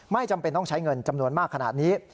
จำเป็นต้องใช้เงินจำนวนมากขนาดนี้